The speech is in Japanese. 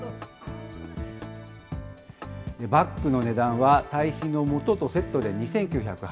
バッグの値段は、堆肥のもととセットで２９８０円。